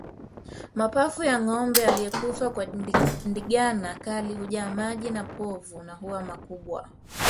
Mapafu ya ngombe aliyekufa kwa ndigana kali hujaa maji na povu na huwa makubwa